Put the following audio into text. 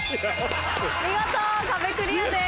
見事壁クリアです。